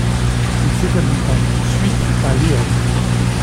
Il s’établit par suite à León.